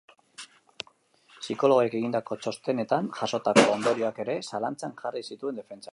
Psikologoek egindako txostenetan jasotako ondorioak ere zalantzan jarri zituen defentsak.